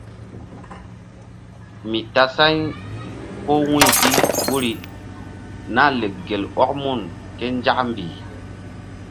Mi tasa̧y ko wu̧y bi guri Nah lek gel ɔk mun ké nzak mbih.